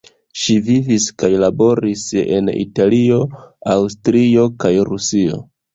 Ŝi vivis kaj laboris en Italio, Aŭstrio, kaj Rusio.